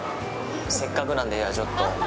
せっかくなんでちょっと。